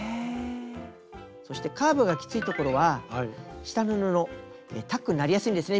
そしてカーブがきついところは下の布タックになりやすいんですね